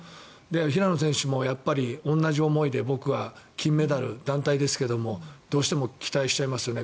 平野選手もやっぱり同じ思いで僕は金メダル、団体ですがどうしても期待しちゃいますよね。